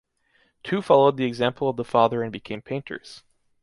Two followed the example of the father and became painters.